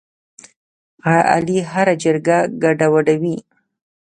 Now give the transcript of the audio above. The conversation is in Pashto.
علي هره جرګه ګډوډوي.